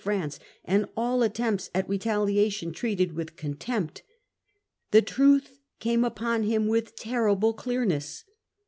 France, and all attempts at retaliation treated with contempt, the truth came upon him with terrible clearness.